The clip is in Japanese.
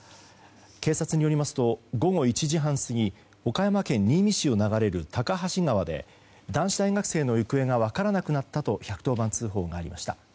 警察によりますと午後１時半過ぎ岡山県新見市を流れる高梁川で男子大学生の行方が分からなくなったと１１０番通報がありました。